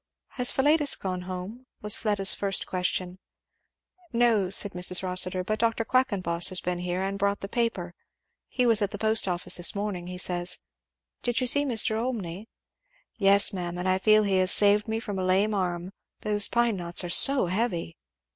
"Has Philetus got home?" was Fleda's first question. "No," said Mrs. Rossitur, "but Dr. Quackenboss has been here and brought the paper he was at the post office this morning, he says. Did you see Mr. Olmney?" "Yes ma'am, and I feel he has saved me from a lame arm those pine knots are so heavy."